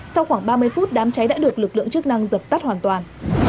sau khoảng ba mươi phút đám cháy đã được lực lượng chức năng dập tắt hoàn toàn